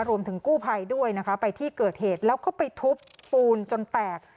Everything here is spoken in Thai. รวมถึงกู้ภัยด้วยนะคะไปที่เกิดเหตุแล้วก็ไปทุบปูนจนแตก